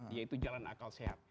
yaitu jalan akal sehat